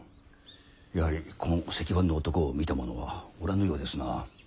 やはりこの隻腕の男を見た者はおらぬようですな。